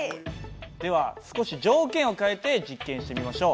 では少し条件を変えて実験してみましょう。